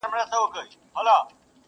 څوك به وژاړي سلګۍ د يتيمانو٫